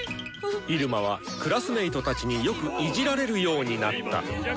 入間はクラスメートたちによくいじられるようになった。